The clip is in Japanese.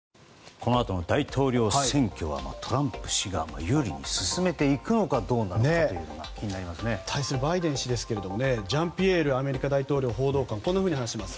このあと大統領選挙はトランプ氏が有利に進めていくのかどうかが対するバイデン氏ですがジャンピエール大統領報道官はこのように話しています。